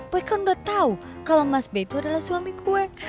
boy kan udah tau kalau mas bay itu adalah suami gue